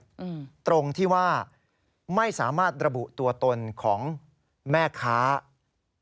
อืมตรงที่ว่าไม่สามารถระบุตัวตนของแม่ค้า